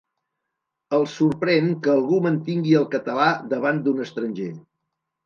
Els sorprèn que algú mantingui el català davant d'un estranger.